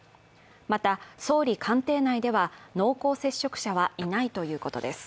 また、総理官邸内では濃厚接触者はいないということです。